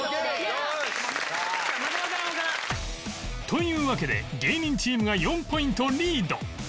というわけで芸人チームが４ポイントリード